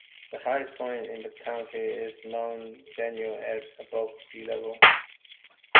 The highest point in the county is Mount Daniel at above sea level.